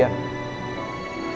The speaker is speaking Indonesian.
dan gue selalu ada